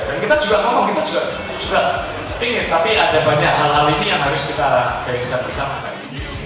dan kita juga ngomong kita juga ingin tapi ada banyak hal hal ini yang harus kita beri kesempatan